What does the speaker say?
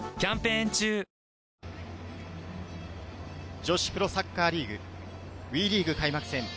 女子プロサッカーリーグＷＥリーグ開幕戦。